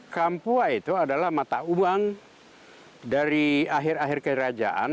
kampua itu adalah mata uang dari akhir akhir kerajaan